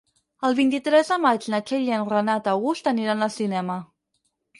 El vint-i-tres de maig na Txell i en Renat August aniran al cinema.